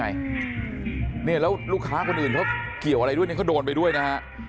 ไงเนี่ยแล้วลูกค้าคนอื่นเขาเกี่ยวอะไรด้วยก็โดนไปด้วยนะ